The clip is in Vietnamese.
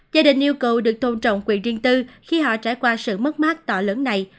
gia đình yêu cầu được tôn trọng quyền riêng tư khi họ trải qua sự mất mát to lớn này